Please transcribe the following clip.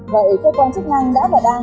vậy cơ quan chức năng đã và đang